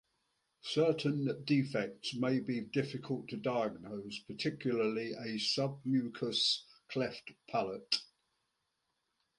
Certain defects may be difficult to diagnose, particularly a submucous cleft palate.